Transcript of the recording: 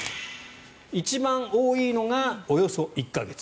一番多いのがおよそ１か月。